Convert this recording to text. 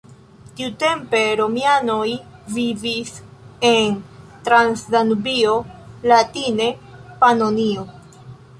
Tiutempe romianoj vivis en Transdanubio, latine Panonio.